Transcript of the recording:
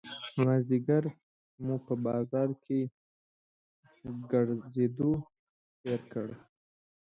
مازیګری مو په بازار کې ګرځېدو تېر کړ.